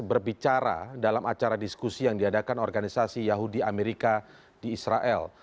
berbicara dalam acara diskusi yang diadakan organisasi yahudi amerika di israel